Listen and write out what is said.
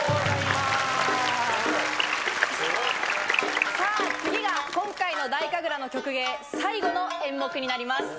すごい。さあ、次が今回の太神楽の曲芸、最後の演目になります。